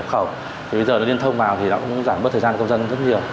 bây giờ liên thông vào thì đã giảm bớt thời gian công dân rất nhiều